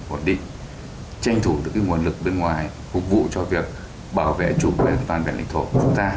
bổn định tranh thủ được nguồn lực bên ngoài phục vụ cho việc bảo vệ chủ nguyên toàn bản lĩnh thổ của chúng ta